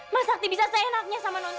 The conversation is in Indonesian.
mas sakti bisa seenaknya sama nontalita